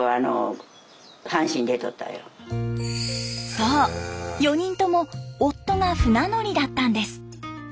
そう４人とも夫が船乗りだったんです。